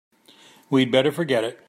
We'd better forget it.